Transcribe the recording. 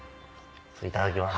いただきます。